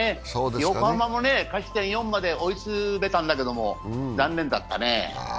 横浜も勝ち点４まで追い詰めたんだけど、残念だったね。